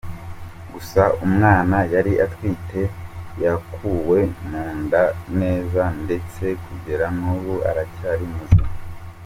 Gusa, umwana yari atwite yakuwe mu nda neza ndetse kugera n’ubu aracyari muzima.